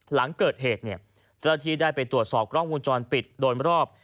หลังเกิดเหตุเนี่ยจริงได้ไปตรวจสอบกล้องวงจรปิดโดนมารอบ